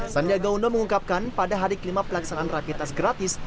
sandiaga undang mengungkapkan pada hari kelima pelaksanaan rapi tes gratis